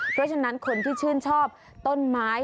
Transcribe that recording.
เพราะฉะนั้นคนที่ชื่นชอบต้นไม้